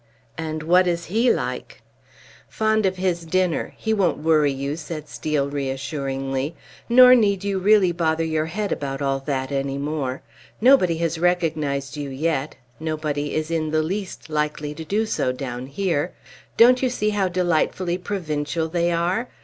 "And what is he like?" "Fond of his dinner; he won't worry you," said Steel, reassuringly. "Nor need you really bother your head about all that any more. Nobody has recognized you yet; nobody is in the least likely to do so down here. Don't you see how delightfully provincial they are?